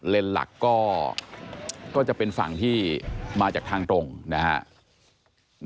เลนส์หลักก็จะเป็นฝั่งที่มาจากทางตรงนะฮะ